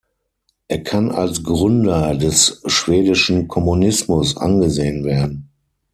Er kann als Gründer des schwedischen Kommunismus angesehen werden.